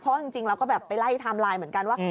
เพราะว่าจริงแล้วก็ไปไล่ไทม์ไลน์เหมือนกันว่า